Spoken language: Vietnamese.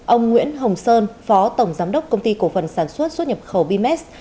ông nguyễn hồng sơn phó tổng giám đốc công ty cổ phần sản xuất xuất nhập khẩu bms